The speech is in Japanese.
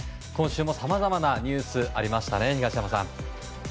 今週もさまざまなニュースがありましたね、東山さん。